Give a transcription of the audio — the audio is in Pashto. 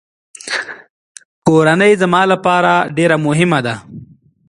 کورنۍ زما لپاره ډېره مهمه ده.